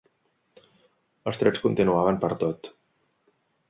Els trets continuaven pertot.